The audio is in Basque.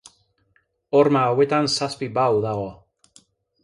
Horma hauetan zazpi bao dago.